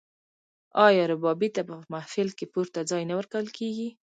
آیا ربابي ته په محفل کې پورته ځای نه ورکول کیږي؟